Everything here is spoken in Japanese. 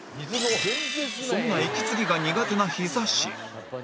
そんな息継ぎが苦手なヒザ神